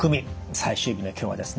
最終日の今日はですね